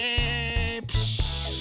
プシュー。